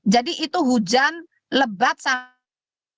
jadi itu hujan lebat sangat